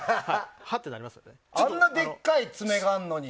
あんなでっかい爪があるのに！